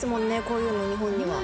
こういうの日本には。